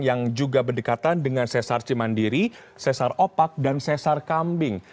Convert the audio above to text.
yang juga berdekatan dengan sesar cimandiri sesar opak dan sesar kambing